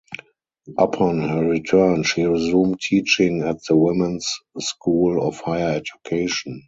Upon her return, she resumed teaching at the women's school of higher education.